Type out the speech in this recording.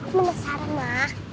aku menasaran ma